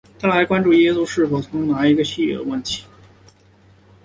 它还关注耶稣是否是一个拿细耳人问题。